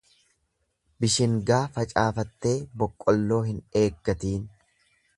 Bishingaa facaafattee boqqolloo hin eeggatiin.